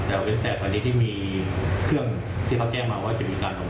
แต่เว้นแต่พอดีที่มีเครื่องที่เขาแจ้งมาว่าจะมีการออก